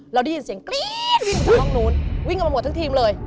เราได้ยินเสียงกรี๊ดวิ่งมาจากห้องนู้นวิ่งออกมาหมดทั้งทีมเลย